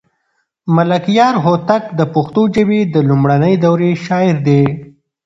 ملکیار هوتک د پښتو ژبې د لومړنۍ دورې شاعر دی.